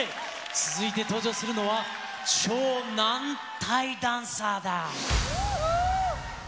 続いて登場するのは、超軟体ダンサーだ。